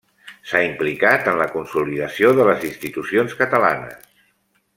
S’ha implicat en la consolidació de les institucions catalanes.